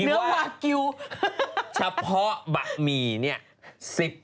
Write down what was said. สนุนโดยดีที่สุดคือการให้ไม่สิ้นสุด